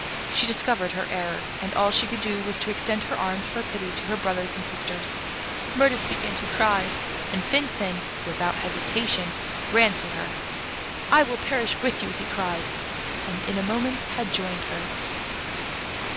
She discovered her error, and all she could do was to extend her arms for pity to her brothers and sisters. Mirtis began to cry, and Finfin, without hesitation, ran to her. "I will perish with you," he cried, and in a moment had joined her.